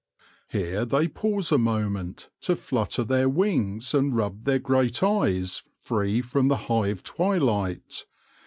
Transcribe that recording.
Here they pause a moment to flutter their wings and rub their great eyes free of the hive twi light.